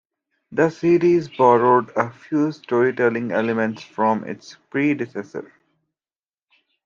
The series borrowed a few storytelling elements from its predecessor.